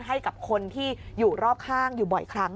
ให้กับคนที่อยู่รอบข้างอยู่บ่อยครั้ง